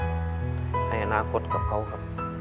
ในอนาคตกับเขาครับ